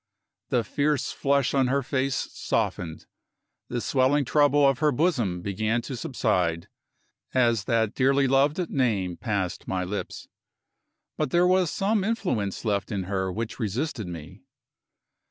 The fierce flush on her face softened, the swelling trouble of her bosom began to subside, as that dearly loved name passed my lips! But there was some influence left in her which resisted me.